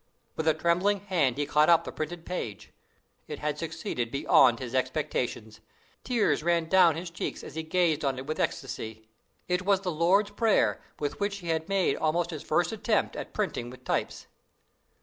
"With a trembling hand he caught up the printed paper. It had succeeded beyond his expectation. Tears ran down his cheeks as he gazed on it with ecstacy. It was the Lord's Prayer, with which he had made almost his first attempt at printing with types.